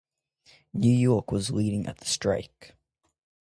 New York was leading at the strike.